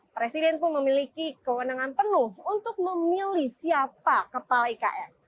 presiden pun memiliki kewenangan penuh untuk memilih siapa kepala ikn